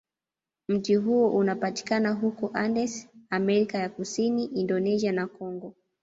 Mti huo unapatikana huko Andes, Amerika ya Kusini, Indonesia, na Kongo.